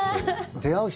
出会う人